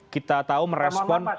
kita tahu merespon